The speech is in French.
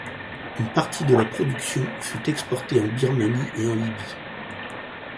Une partie de la production fut exportée en Birmanie et en Libye.